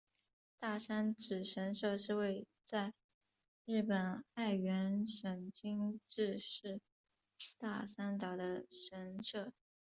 大山只神社是位在日本爱媛县今治市大三岛的神社。